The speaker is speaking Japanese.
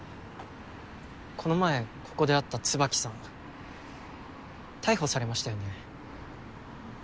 この前ここで会った椿さん逮捕されましたよね？